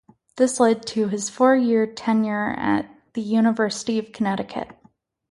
This led to his four year tenure at the University of Connecticut.